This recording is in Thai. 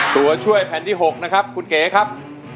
ตัวช่วยแผ่นที่๖นะครับคุณเก๋ครับ